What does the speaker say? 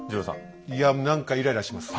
いや何かイライラします。